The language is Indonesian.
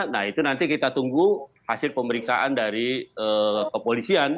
nah itu nanti kita tunggu hasil pemeriksaan dari kepolisian